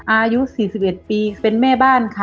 อายุ๔๑ปีเป็นแม่บ้านค่ะ